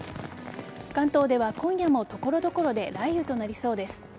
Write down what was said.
関東では今夜も所々で雷雨となりそうです。